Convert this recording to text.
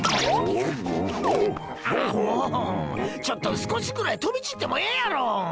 ちょっと少しぐらい飛び散ってもええやろ！